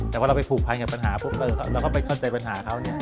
แต่พอเราไปผูกพันกับปัญหาปุ๊บเราก็ไปเข้าใจปัญหาเขาเนี่ย